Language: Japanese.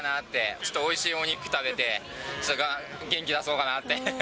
ちょっとおいしいお肉食べて、元気出そうかなって。